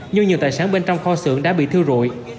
nhưng nhiều tài sản bên trong kho xưởng đã bị thiêu rụi